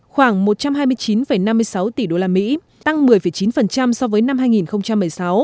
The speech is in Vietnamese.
khoảng một trăm hai mươi chín năm mươi sáu tỷ usd tăng một mươi chín so với năm hai nghìn một mươi sáu